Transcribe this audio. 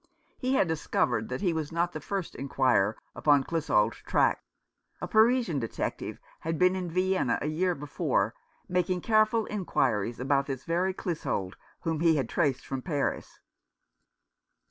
He had discovered that he was not the first inquirer upon Clissold's track. A Parisian detective had been in Vienna a year before, making careful inquiries about this very Clissold, whom he had traced from Paris.